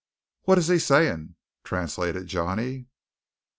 "What is he saying," translated Johnny.